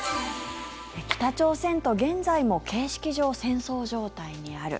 北朝鮮と現在も形式上、戦争状態にある。